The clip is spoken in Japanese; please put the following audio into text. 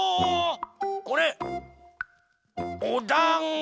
これおだんご！